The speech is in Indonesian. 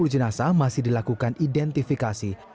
dua puluh jenasa masih dilakukan identifikasi